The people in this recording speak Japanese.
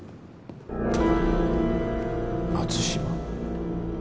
松島。